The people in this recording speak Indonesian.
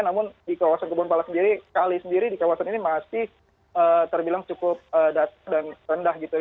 namun di kawasan kebun pala sendiri sekali sendiri di kawasan ini masih terbilang cukup rendah